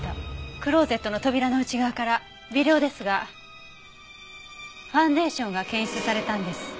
クローゼットの扉の内側から微量ですがファンデーションが検出されたんです。